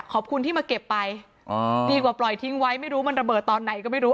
ขอบคุณที่มาเก็บไปดีกว่าปล่อยทิ้งไว้ไม่รู้มันระเบิดตอนไหนก็ไม่รู้